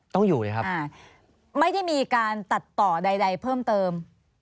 ต้องอยู่เลยครับไม่ได้มีการตัดต่อใดเพิ่มเติม